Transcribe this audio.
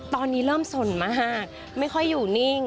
ตอนนี้เริ่มสนมากไม่ค่อยอยู่นิ่ง